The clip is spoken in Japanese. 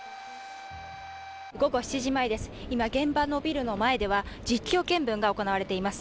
午後７時前です、今、現場のビルの前では実況見分が行われています。